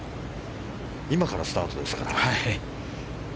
今からスタートですから。